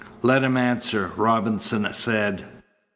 "Let him answer," Robinson said.